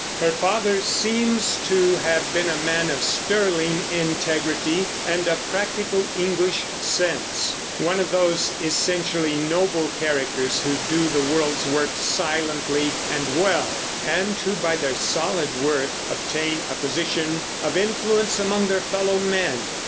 Her father seems to have been a man of sterling integrity and of practical English sense, one of those essentially noble characters who do the world's work silently and well, and who by their solid worth obtain a position of influence among their fellow men.